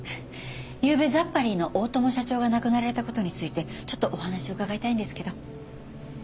ゆうべザッパリーの大友社長が亡くなられた事についてちょっとお話を伺いたいんですけど。